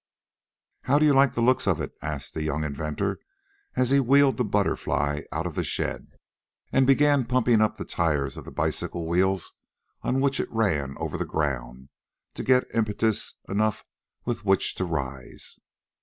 "How do you like the looks of it?" asked the young inventor, as he wheeled the BUTTERFLY out of the shed, and began pumping up the tires of the bicycle wheels on which it ran over the ground, to get impetus enough with which to rise.